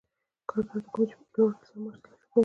کارګر د کوم شي په پلورلو سره معاش ترلاسه کوي